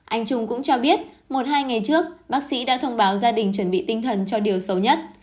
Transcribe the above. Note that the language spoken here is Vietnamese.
anh trung cũng cho biết một hai ngày trước bác sĩ đã thông báo gia đình chuẩn bị tinh thần cho điều xấu nhất